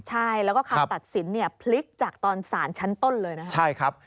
ใช่แล้วก็คำตัดสินพลิกจากตอนสารชั้นต้นเลยนะครับ